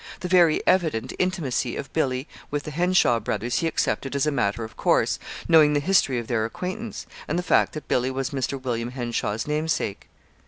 The very evident intimacy of Billy with the Henshaw brothers he accepted as a matter of course, knowing the history of their acquaintance, and the fact that Billy was Mr. William Henshaw's namesake.